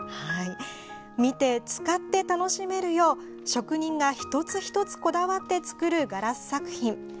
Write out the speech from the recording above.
見て、使って、楽しめるよう職人が１つ１つこだわって作るガラス作品。